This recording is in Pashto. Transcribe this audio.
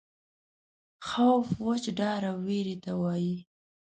خوف وچ ډار او وېرې ته وایي.